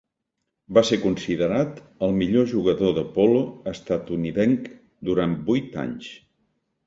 Va ser considerat el millor jugador de polo estatunidenc durant vuit anys.